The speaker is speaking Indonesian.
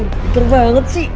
gitu banget sih